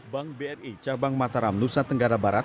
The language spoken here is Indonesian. bank bri cabang mataram nusa tenggara barat